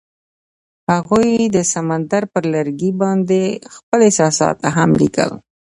هغوی د سمندر پر لرګي باندې خپل احساسات هم لیکل.